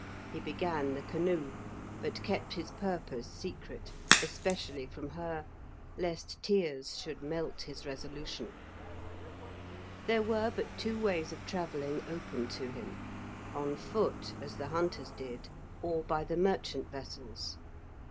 He began the canoe, but kept his purpose secret, especially from her, lest tears should melt his resolution. There were but two ways of travelling open to him: on foot, as the hunters did, or by the merchant vessels.